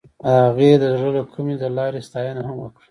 هغې د زړه له کومې د لاره ستاینه هم وکړه.